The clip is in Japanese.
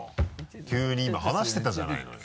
急に今話してたじゃないのよ。